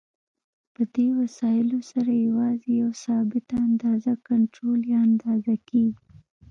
په دې وسایلو سره یوازې یوه ثابته اندازه کنټرول یا اندازه کېږي.